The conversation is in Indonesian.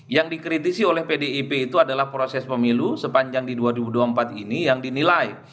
yang dikritisi oleh pdip itu adalah proses pemilu sepanjang di dua ribu dua puluh empat ini yang dinilai